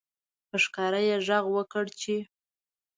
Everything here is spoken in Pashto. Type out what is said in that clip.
په ښکاره یې غږ وکړ چې